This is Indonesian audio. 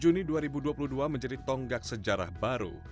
dua juni dua ribu dua puluh dua menjadi tonggak sejarah baru